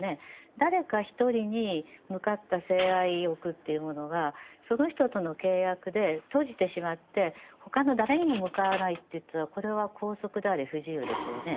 誰か１人に向かった性愛欲というものがその人との契約で閉じてしまって他の誰にも向かわないといったらこれは拘束であり不自由ですよね。